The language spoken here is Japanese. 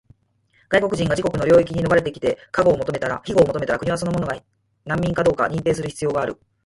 外国人が自国の領域に逃れてきて庇護を求めたら、国はその者が難民かどうかを認定する必要がある。